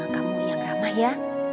kamu yang ramah ya